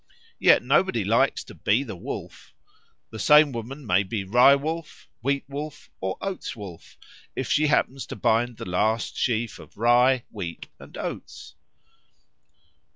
Yet nobody likes to be the Wolf. The same woman may be Rye wolf, Wheat wolf, and Oats wolf, if she happens to bind the last sheaf of rye, wheat, and oats.